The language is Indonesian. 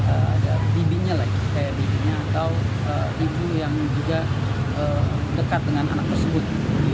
ada bibinya atau ibu yang juga dekat dengan anak tersebut